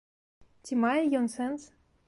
Ці мае ён сэнс?